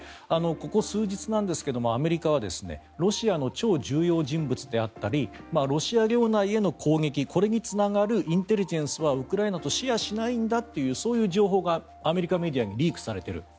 ここ数日なんですがアメリカはロシアの超重要人物であったりロシア領内への攻撃これにつながるインテリジェンスはウクライナとシェアしないんだという情報がアメリカメディアにリークされている。